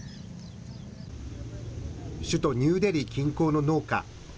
首都ニューデリー近郊の農家。